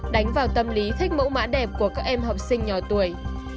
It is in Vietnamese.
đánh vào tâm lý khách mẫu mã đẹp của các em học sinh nhỏ tuổi